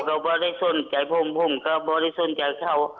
เขาก็ไม่ได้สนใจพ่งพ่งก็ไม่ได้สนใจเข้า